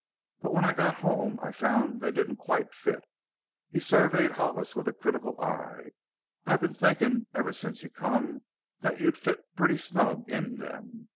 But when I got home I found they didn't quite fit." He surveyed Hollis with a critical eye. "I've been thinkin' ever since you come that you'd fit pretty snug in them."